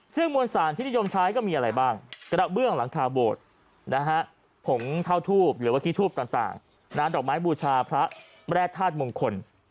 ซึ่งมวลสารที่นิยมใช้ก็มีอะไรบ้างกระเบื้องหลังคาโบสถ์ผงเท่าทูบหรือว่าขี้ทูบต่างดอกไม้บูชาพระแร่ธาตุมงคล